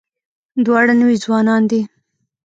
دواړه نوي ځوانان دي.